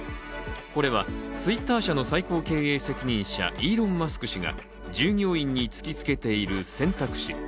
これはＴｗｉｔｔｅｒ社の最高経営責任者イーロン・マスク氏が従業員に突きつけている選択肢。